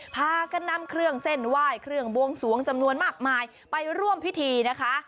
พากันนำเครื่องเส้นไหว้เครื่องบวงสวงจำนวนมากมายไปร่วมพิธีนะคะ